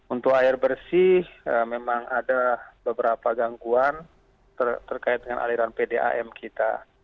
untuk air bersih memang ada beberapa gangguan terkait dengan aliran pdam kita